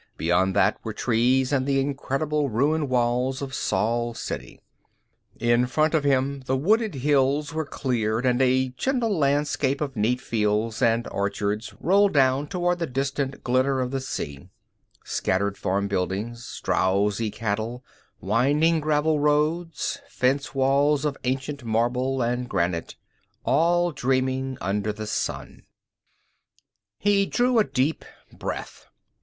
Beyond that were trees and the incredible ruined walls of Sol City. In front of him, the wooded hills were cleared and a gentle landscape of neat fields and orchards rolled down toward the distant glitter of the sea: scattered farm buildings, drowsy cattle, winding gravel roads, fence walls of ancient marble and granite, all dreaming under the sun. He drew a deep breath.